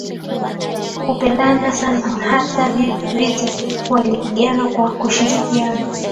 Hupendana sana na hata vita walipigana kwa kushirikiana